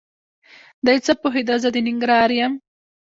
دی څه پوهېده زه د ننګرهار یم؟!